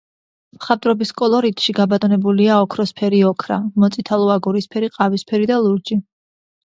მხატვრობის კოლორიტში გაბატონებულია ოქროსფერი ოქრა, მოწითალო-აგურისფერი, ყავისფერი და ლურჯი.